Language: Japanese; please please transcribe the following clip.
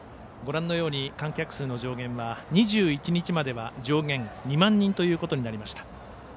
ご覧のように観客数の上限は２１日までは上限２万人となりました。